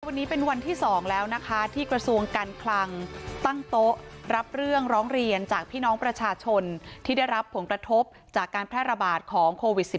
วันนี้เป็นวันที่๒แล้วนะคะที่กระทรวงการคลังตั้งโต๊ะรับเรื่องร้องเรียนจากพี่น้องประชาชนที่ได้รับผลกระทบจากการแพร่ระบาดของโควิด๑๙